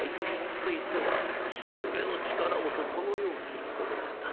ついては父上の力をとこのように言っておられた。